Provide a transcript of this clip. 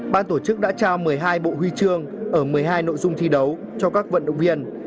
ban tổ chức đã trao một mươi hai bộ huy chương ở một mươi hai nội dung thi đấu cho các vận động viên